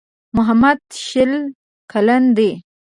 محمد شل کلن دی.